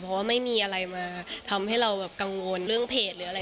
เพราะว่าไม่มีอะไรมาทำให้เราแบบกังวลเรื่องเพจหรืออะไร